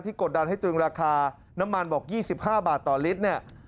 ที่กดดันให้ตรงราคาน้ำมันบอก๒๕บาทต่อลิตร